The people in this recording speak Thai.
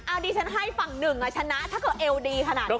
อันนี้ฉันให้ฝั่งหนึ่งชนะถ้าเกิดเอวดีขนาดนี้